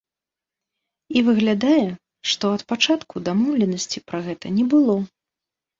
І выглядае, што ад пачатку дамоўленасці пра гэта не было.